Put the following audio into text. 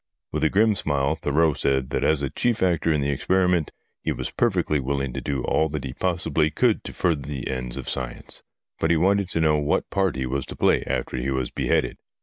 "With a grim smile Thurreau said that as a chief actor in the experiments, he was perfectly willing to do all that he possibly could to further the ends of science. But he wanted to know what part he was to play after he was beheaded.